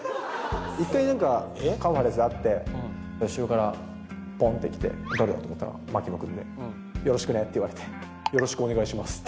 一回、なんかカンファレンスがあって、後ろから、ぽんって来て、誰かと思ったら、槙野君で、よろしくねって言われて、よろしくお願いしますって。